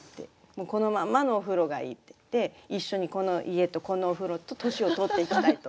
このまんまのお風呂がいいって言って一緒にこの家とこのお風呂と年を取っていきたいと。